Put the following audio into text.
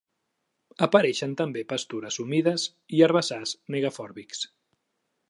Apareixen també pastures humides i herbassars megafòrbics.